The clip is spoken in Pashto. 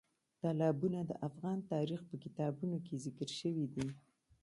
تالابونه د افغان تاریخ په کتابونو کې ذکر شوي دي.